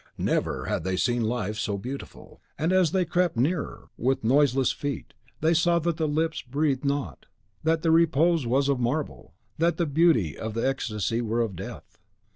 Never had they seen life so beautiful; and as they crept nearer, and with noiseless feet, they saw that the lips breathed not, that the repose was of marble, that the beauty and the ecstasy were of death.